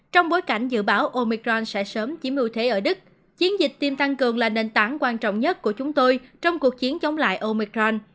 trong bối cảnh dự báo omicron sẽ sớm chiếm ưu thế ở đức chiến dịch tiêm tăng cường là nền tảng quan trọng nhất của chúng tôi trong cuộc chiến chống lại omicron